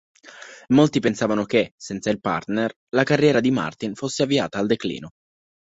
Molti pensavano che, senza il partner, la carriera di Martin fosse avviata al declino.